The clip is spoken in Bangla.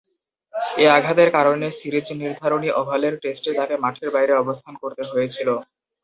এ আঘাতের কারণে সিরিজ নির্ধারণী ওভালের টেস্টে তাকে মাঠের বাইরে অবস্থান করতে হয়েছিল।